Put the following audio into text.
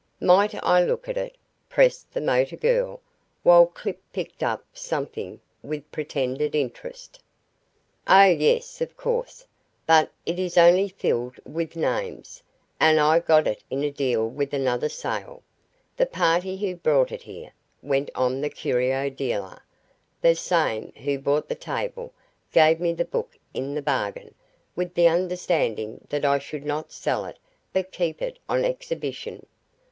"Might I look at it?" pressed the motor girl, while Clip picked up something with pretended interest. "Oh, yes, of course. But it is only filled with names, and I got it in a deal with another sale. The party who brought it here," went on the curio dealer, "the same who bought the table gave me the book in the bargain, with the understanding that I should not sell it but keep it on exhibition.